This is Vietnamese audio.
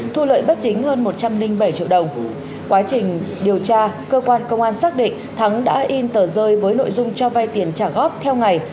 thu lợi bất chính hơn một trăm linh bảy triệu đồng quá trình điều tra cơ quan công an xác định thắng đã in tờ rơi với nội dung cho vay tiền trả góp theo ngày